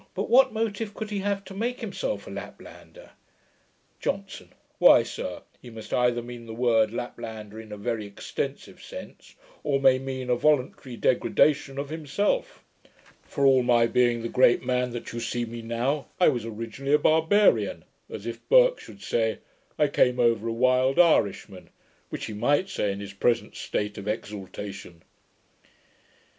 'But what motive could he have to make himself a Laplander?' JOHNSON. 'Why, sir, he must either mean the word Laplander in a very extensive sense, or may mean a voluntary degradation of himself. "For all my being the great man that you see me now, I was originally a barbarian"; as if Burke should say, "I came over a wild Irishman," which he might say in his present state of exaltation.'